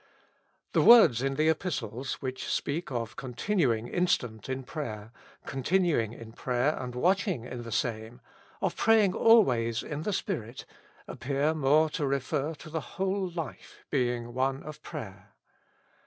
The words in the Epistles, which speak of continuing instant in prayer, continuing in prayer and watching in the same, of praying always in the Spirit, appear more to refer to the whole life being one of prayer.